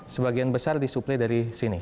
sebagian besar disuplai dari sini